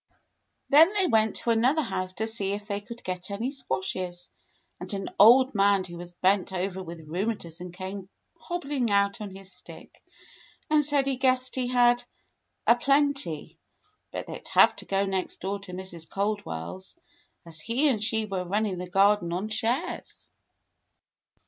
'" Then they went to another house to see if they could get any squashes, and an old man who was bent over w ith rheumatism came hobbling out on his stick, and said he guessed he had "a plenty," but they'd have to go next door to Mrs. Caldwell's, as he and she were running the garden on shares.